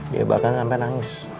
dia bahkan sampai nangis